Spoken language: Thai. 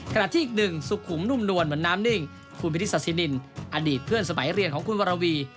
ขณะที่อีกหนึ่งสุขุมนุ่มนวลเหมือนน้ำนิ่งคุณพิศาสินินอดีตเพื่อนสมัยเรียนของคุณวรวี